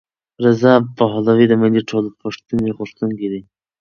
رضا پهلوي د ملي ټولپوښتنې غوښتونکی دی.